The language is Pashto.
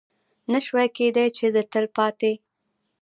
نه شوای کېدی چې د تلپاتې